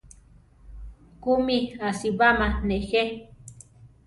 ¿Kúmi asibáma nejé?